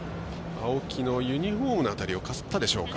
青木のユニフォームの辺りをかすったでしょうか。